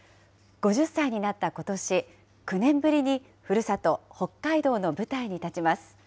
５０歳になったことし、９年ぶりにふるさと、北海道の舞台に立ちます。